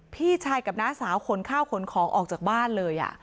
พี่ชายกับน้าสาวขนข้าวขนของออกจากบ้านเลย